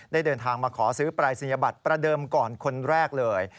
เดินทางมาขอซื้อปรายศนียบัตรประเดิมก่อนคนแรกเลย